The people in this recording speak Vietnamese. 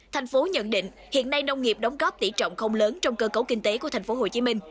thành phố nhận định hiện nay nông nghiệp đóng góp tỷ trọng không lớn trong cơ cấu kinh tế của thành phố hồ chí minh